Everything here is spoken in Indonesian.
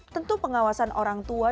tentu pengawasan orang tua